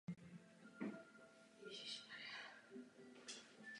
Populace se také postupně zvyšuje a nyní již dosahuje hodnot jako v poválečné době.